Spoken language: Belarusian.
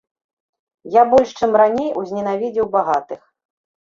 Я больш, чым раней, узненавідзеў багатых.